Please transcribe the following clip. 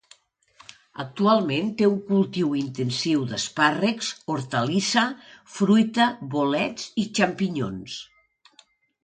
Actualment té un cultiu intensiu d'espàrrecs, hortalissa, fruita, bolets i xampinyons.